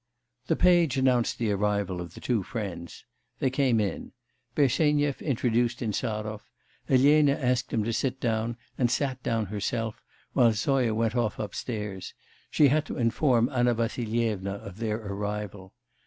The page announced the arrival of the two friends. They came in. Bersenyev introduced Insarov. Elena asked them to sit down, and sat down herself, while Zoya went off upstairs; she had to inform Anna Vassilyevna of their arrival.